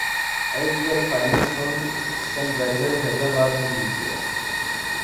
ائی P L final Sunrisers Hyderabad نے جیت لیا